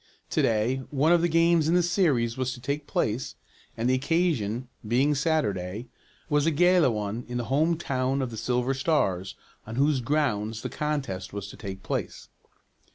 To day one of the games in the series was to take place, and the occasion, being Saturday, was a gala one in the home town of the Silver Stars, on whose grounds the contest was to take place.